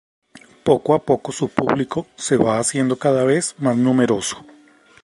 Poco a poco, su público se va haciendo cada vez más numeroso.